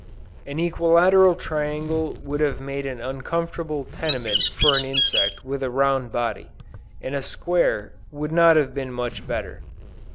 An equilateral triangle would have made an uncomfortable tenement for an insect with a round body; and a square would not have been much better.